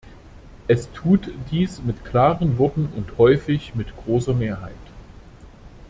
Es tut dies mit klaren Worten und häufig mit großer Mehrheit.